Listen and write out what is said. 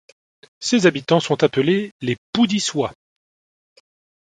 Ses habitants sont appelés les Poudissois.